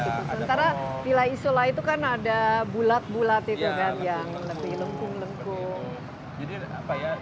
sementara pila isola itu kan ada bulat bulat itu kan yang lebih lengkung lengkung